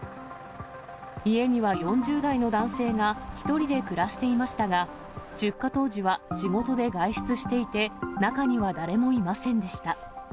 家には４０代の男性が１人で暮らしていましたが、出火当時は仕事で外出していて、中には誰もいませんでした。